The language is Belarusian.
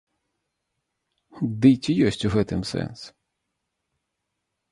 Дый ці ёсць у гэтым сэнс?